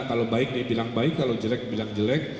kalau baik dibilang baik kalau jelek bilang jelek